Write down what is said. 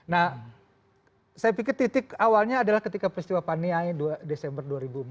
nah saya pikir titik awalnya adalah ketika peristiwa paniai desember dua ribu empat belas